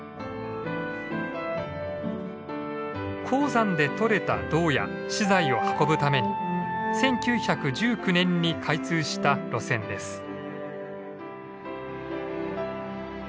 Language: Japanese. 鉱山で採れた銅や資材を運ぶために１９１９年に開通した路線です。